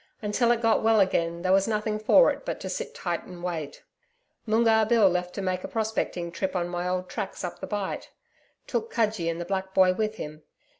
Until it got well again, there was nothing for it but to sit tight and wait. Moongarr Bill left to make a prospecting trip on my old tracks up the Bight took Cudgee and the black boy with him.